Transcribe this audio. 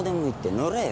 乗れよ。